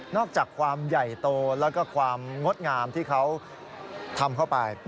อกจากความใหญ่โตแล้วก็ความงดงามที่เขาทำเข้าไป